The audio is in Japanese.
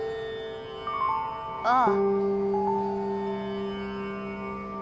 ああ。